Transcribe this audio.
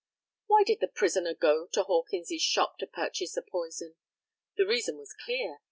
Why did the prisoner go to Hawkins's shop to purchase the poison? The reason was clear.